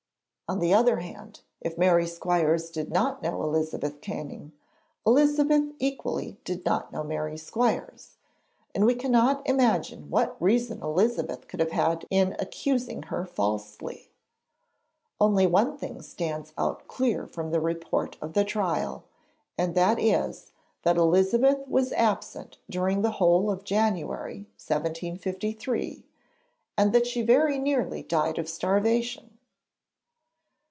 On the other hand, if Mary Squires did not know Elizabeth Canning, Elizabeth equally did not know Mary Squires, and we cannot imagine what reason Elizabeth could have had in accusing her falsely. Only one thing stands out clear from the report of the trial, and that is, that Elizabeth was absent during the whole of January 1753, and that she very nearly died of starvation.